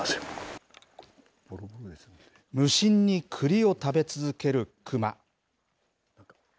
無心にくりを食べ続けるクマ。